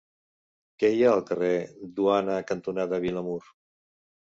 Què hi ha al carrer Duana cantonada Vilamur?